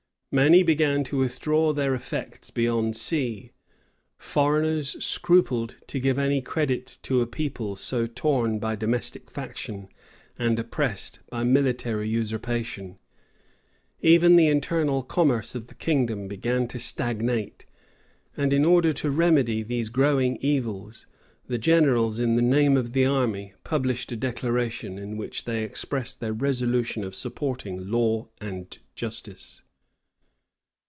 Many began to withdraw their effects beyond sea: foreigners scrupled to give any credit to a people so torn by domestic faction, and oppressed by military usurpation: even the internal commerce of the kingdom began to stagnate: and in order to remedy these growing evils, the generals, in the name of the army, published a declaration, in which they expressed their resolution of supporting law and justice.